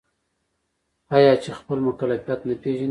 آیا چې خپل مکلفیت نه پیژني؟